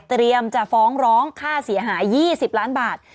เตรียมจะฟ้องร้องค่าเสียหา๒๐ล้านบาท